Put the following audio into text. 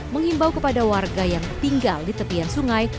mengimbau kepada warga yang tinggal di tepian sungai